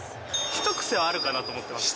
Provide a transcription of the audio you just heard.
ひと癖はあるかなと思ってます。